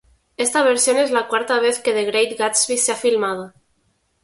Esta versión es la cuarta vez que "The Great Gatsby" se ha filmado.